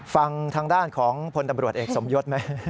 ฟังทางด้านของพลตำรวจเอกสมยศไหม